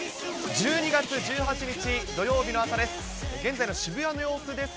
１２月１８日土曜日の朝です。